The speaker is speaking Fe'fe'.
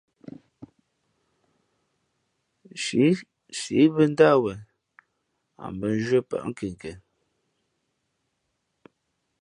Nshi sǐʼ bᾱ ndáh wen, a bᾱ nzhwié pάʼ nkinken.